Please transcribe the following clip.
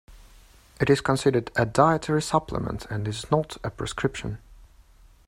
It is considered a dietary supplement and is not a prescription.